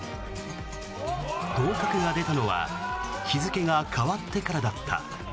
当確が出たのは日付が変わってからだった。